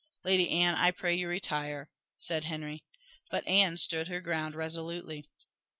"Lady Anne, I pray you retire," said Henry. But Anne stood her ground resolutely.